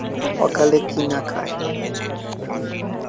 অকালে কি না খায়।